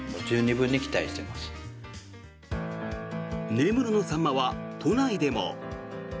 根室のサンマは都内でも。